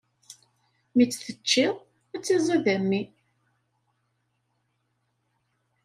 Mi tt-teččiḍ, ad tt-iẓid a mmi.